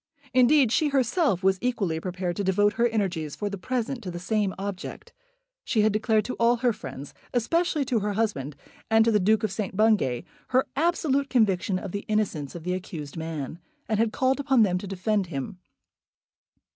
Indeed, she herself was equally prepared to devote her energies for the present to the same object. She had declared to all her friends, especially to her husband and to the Duke of St. Bungay, her absolute conviction of the innocence of the accused man, and had called upon them to defend him.